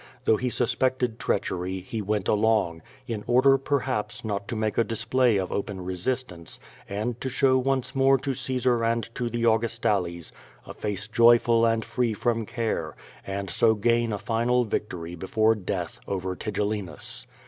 Though he suspected treachery, be wont along, in order, perhaps, not to make a display of ojien resistance, and to show once more to Caesar and to the Augustales a face joyful and free from care, and so gain a final victory before death over Tigellinus.